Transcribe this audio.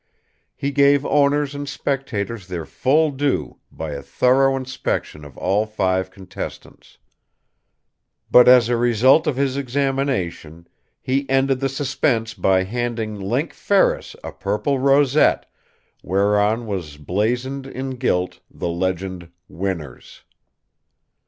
He gave owners and spectators their full due, by a thorough inspection of all five contestants. But as a result of his examination, he ended the suspense by handing Link Ferris a purple rosette, whereon was blazoned in gilt the legend, "Winners."